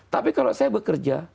tapi kalau saya bekerja